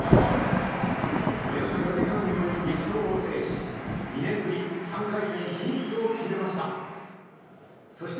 およそ４時間に及ぶ激闘を制し２年ぶり３回戦進出を決めました。